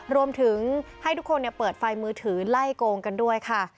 รวมถึงให้ทุกคนเปิดไฟมือถือไล่โกงกันด้วยค่ะ